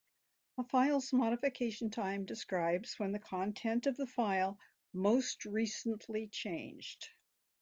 A file's modification time describes when the content of the file most recently changed.